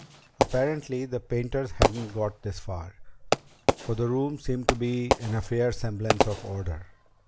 Apparently the painters hadn't got this far, for the room seemed to be in a fair semblance of order.